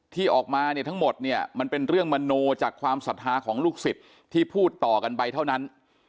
ที่ออกมาเนี่ยทั้งหมดเนี่ยมันเป็นเรื่องมโนจากความศรัทธาของลูกศิษย์ที่พูดต่อกันไปเท่านั้น